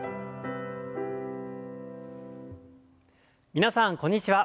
皆さんこんにちは。